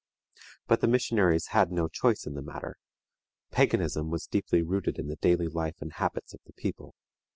But the missionaries had no choice in the matter. Paganism was deeply rooted in the daily life and habits of the people.